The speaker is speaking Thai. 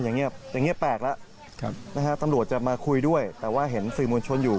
นะฮะตำรวจจะมาคุยด้วยแต่ว่าเห็นสื่อมูลชนอยู่